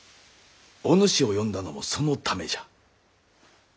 おぬしを呼んだのもそのためじゃ。